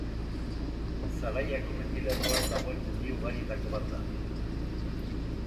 Zaraiako mendilerroan dagoen mendi ugarietako bat da.